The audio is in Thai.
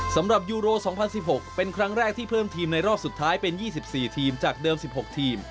สำหรับยูโร๒๐๑๖เป็นครั้งแรกที่เพิ่มทีมในรอบสุดท้ายเป็น๒๔ทีมจากเดิม๑๖ทีม